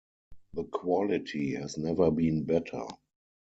The quality has never been better.